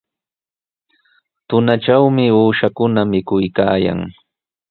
Tunatrawmi uushakuna mikuykaayan.